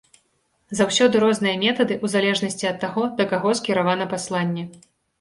Заўсёды розныя метады, у залежнасці ад таго, да каго скіравана пасланне.